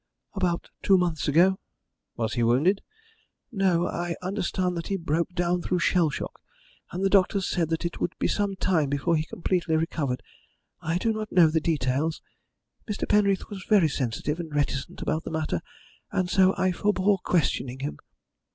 "About two months ago." "Was he wounded?" "No. I understand that he broke down through shell shock, and the doctors said that it would be some time before he completely recovered. I do not know the details. Mr. Penreath was very sensitive and reticent about the matter, and so I forbore questioning him."